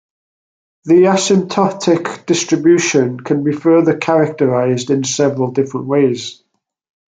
The asymptotic distribution can be further characterized in several different ways.